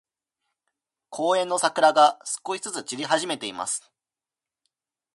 公園の桜が、少しずつ散り始めています。